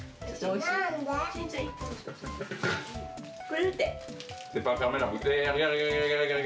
くれるって。